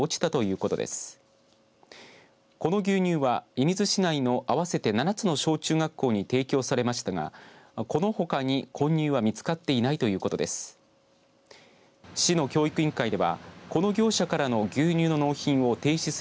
この牛乳は射水市内の合わせて７つの小中学校に提供されましたがこのほかに混入は見つかっていないということです。